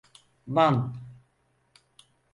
Van…